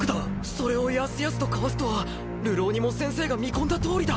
それをやすやすとかわすとは流浪人も先生が見込んだとおりだ。